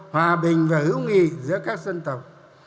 hòa bình và hữu nghị giữa các dân tộc